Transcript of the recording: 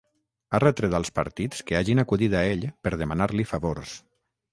Ha retret als partits que hagin acudit a ell per demanar-li favors.